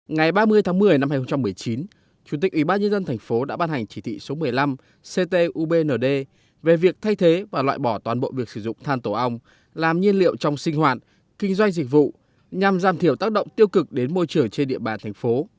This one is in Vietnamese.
ngày ba mươi tháng một mươi năm hai nghìn một mươi chín chủ tịch ủy ban nhân dân thành phố đã ban hành chỉ thị số một mươi năm ctubnd về việc thay thế và loại bỏ toàn bộ việc sử dụng than tổ ong làm nhiên liệu trong sinh hoạt kinh doanh dịch vụ nhằm giảm thiểu tác động tiêu cực đến môi trường trên địa bàn thành phố